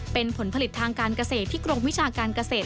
เป็นผลผลิตทางการเกษตรที่กรมวิชาการเกษตร